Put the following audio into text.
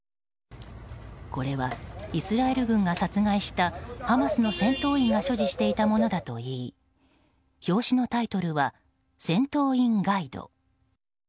これは、イスラエル軍が殺害した、ハマスの戦闘員が所持していたものだといい表紙のタイトルは戦闘員ガイド。